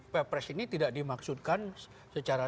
perpres ini tidak dimaksudkan secara